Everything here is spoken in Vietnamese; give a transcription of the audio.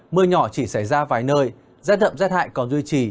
mưa nhỏ chỉ xảy ra vài nơi rát đậm rát hại còn duy trì